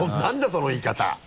その言い方。